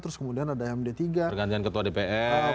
terus kemudian ada md tiga pergantian ketua dpr